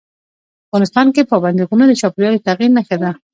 افغانستان کې پابندي غرونه د چاپېریال د تغیر نښه ده.